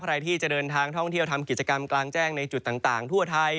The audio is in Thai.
ใครที่จะเดินทางท่องเที่ยวทำกิจกรรมกลางแจ้งในจุดต่างทั่วไทย